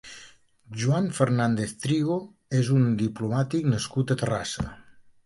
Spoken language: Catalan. Juan Fernández Trigo és un diplomàtic nascut a Terrassa.